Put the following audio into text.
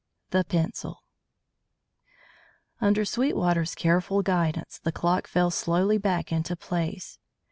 X THE PENCIL Under Sweetwater's careful guidance, the clock fell slowly back into place.